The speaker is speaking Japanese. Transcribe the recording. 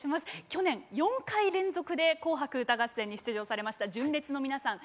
去年４回連続で「紅白歌合戦」に出場されました純烈の皆さん。